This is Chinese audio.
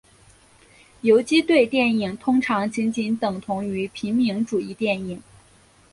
游击队电影通常仅仅等同于平民主义电影。